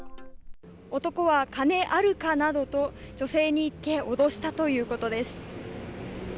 男は、金あるか？などと、女性に言って脅したということです。